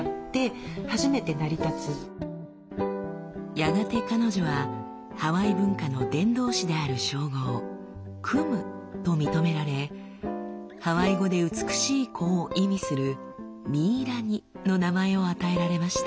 やがて彼女はハワイ文化の伝道師である称号「クム」と認められハワイ語で「美しい子」を意味する「ミイラニ」の名前を与えられました。